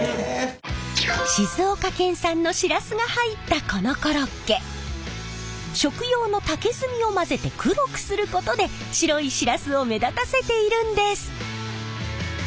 静岡県産のシラスが入ったこのコロッケ食用の竹炭を混ぜて黒くすることで白いシラスを目立たせているんです！